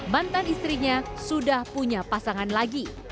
mantan istrinya sudah punya pasangan lagi